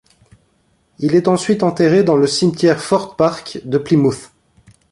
Il est ensuite enterré dans le cimetière Ford Park de Plymouth.